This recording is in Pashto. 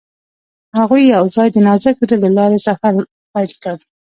هغوی یوځای د نازک زړه له لارې سفر پیل کړ.